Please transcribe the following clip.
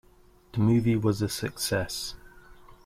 The movie was a success.